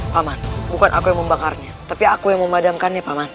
paman bukan aku yang membakarnya tapi aku yang memadamkannya paman